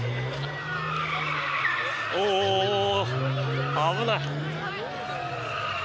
おお、危ない。